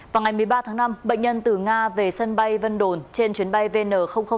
vào ngày một mươi ba tháng năm bệnh nhân từ nga về sân bay vân đồn trên chuyến bay vn sáu mươi hai